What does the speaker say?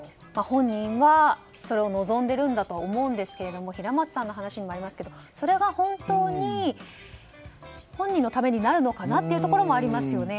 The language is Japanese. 本人は、それを望んでいるとは思いますが平松さんの話にもありますがそれが本当に本人のためになるのかなってところもありますよね。